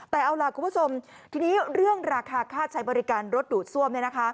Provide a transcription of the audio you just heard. แต่เอาล่ะคุณผู้ชมทีนี้เรื่องราคาค่าใช้บริการรถดูดซ่วม